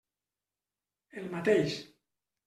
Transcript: El mateix.